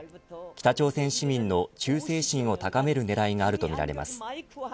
北朝鮮市民の忠誠心を高める狙いがあるとみられます。